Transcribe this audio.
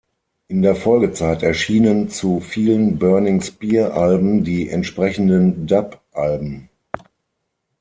In der Folgezeit erschienen zu vielen Burning-Spear-Alben die entsprechenden Dub-Alben.